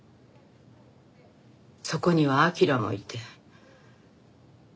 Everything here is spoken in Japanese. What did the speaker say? そこには明良もいて。